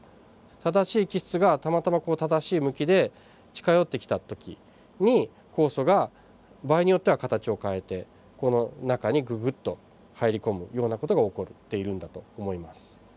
正しい基質がたまたま正しい向きで近寄ってきた時に酵素が場合によっては形を変えてこの中にググッと入り込むような事が起こっているんだと思います。